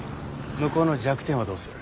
向こうの弱点はどうする？